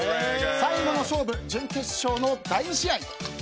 最後の勝負、準決勝の第２試合。